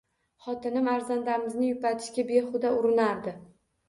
Xotinim arzandamizni yupatishga behuda urinardi